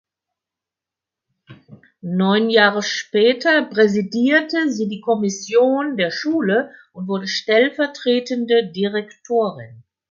Neun Jahre später präsidierte sie die Kommission der Schule und wurde stellvertretende Direktorin.